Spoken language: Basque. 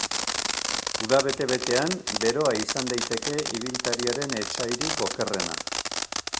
Uda bete-betean beroa izan daiteke ibiltariaren etsairik okerrena.